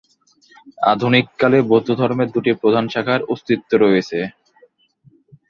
আধুনিক কালে, বৌদ্ধধর্মের দুটি প্রধান শাখার অস্তিত্ব রয়েছে।